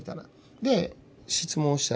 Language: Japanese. で質問したら